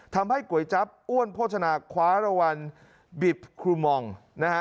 ก๋วยจั๊บอ้วนโภชนาคว้ารางวัลบิบครูมองนะฮะ